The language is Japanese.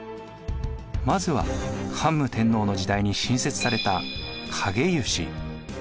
まずは桓武天皇の時代に新設された勘解由使。